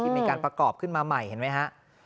มีการประกอบขึ้นมาใหม่เห็นไหมฮะ